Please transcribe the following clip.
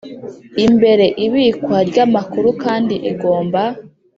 Imbere ibikwa ry amakuru kandi igomba